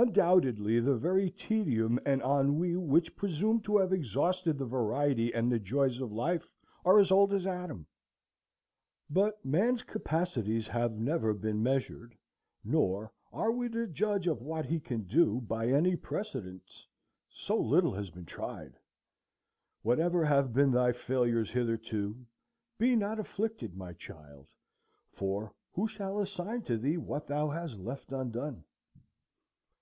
Undoubtedly the very tedium and ennui which presume to have exhausted the variety and the joys of life are as old as Adam. But man's capacities have never been measured; nor are we to judge of what he can do by any precedents, so little has been tried. Whatever have been thy failures hitherto, "be not afflicted, my child, for who shall assign to thee what thou hast left undone?"